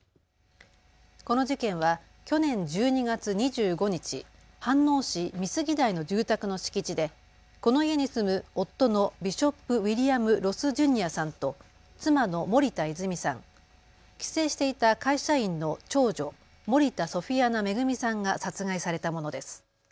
この事件は去年１２月２５日、飯能市美杉台の住宅の敷地でこの家に住む夫のビショップ・ウィリアム・ロス・ジュニアさんと妻の森田泉さん、帰省していた会社員の長女、森田ソフィアナ恵さんが殺害されたものです。